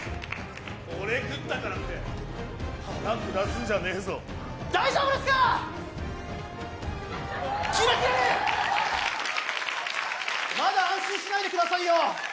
俺食ったからって腹下すんじゃねえぞ大丈夫ですかキラキラリンまだ安心しないでくださいよ